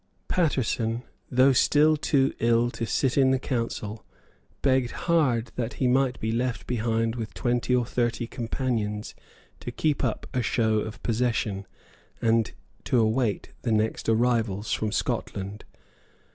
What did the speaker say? Paterson, though still too ill to sit in the Council, begged hard that he might be left behind with twenty or thirty companions to keep up a show of possession, and to await the next arrivals from Scotland.